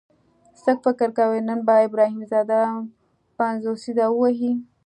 څه فکر کوئ نن به ابراهیم ځدراڼ پنځوسیزه ووهي؟